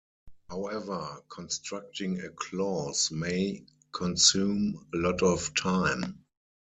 However, constructing a clause "may" consume a lot of time.